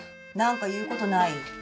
何か言うことない？